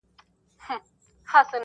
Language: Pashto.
څو مست لفظونه ستا له غزلزاره راوتلي,